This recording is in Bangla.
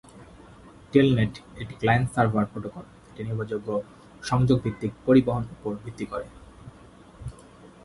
টেলনেট একটি ক্লায়েন্ট-সার্ভার প্রোটোকল, একটি নির্ভরযোগ্য সংযোগ-ভিত্তিক পরিবহন উপর ভিত্তি করে।